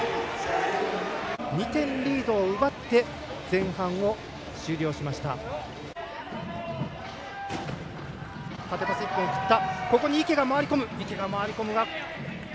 ２点リードを奪って前半を終了しました。